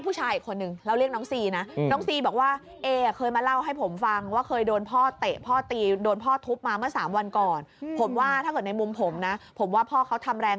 แม่งแม่งแม่งแม่งแม่งแม่งแม่งแม่งแม่งแม่งแม่ง